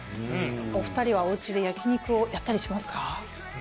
お２人はお家で焼肉をやったりしますか？